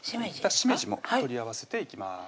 しめじも取り合わせていきます